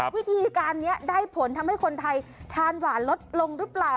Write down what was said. วิธีการนี้ได้ผลทำให้คนไทยทานหวานลดลงหรือเปล่า